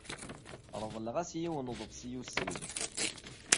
Reḍleɣ-as yiwen n uḍebsi ussid.